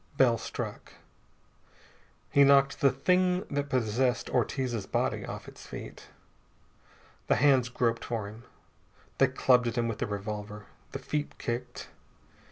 Bell struck. He knocked the Thing that possessed Ortiz's body off its feet. The hands groped for him. They clubbed at him with the revolver. The feet kicked....